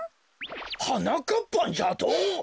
「はなかっぱん」じゃと？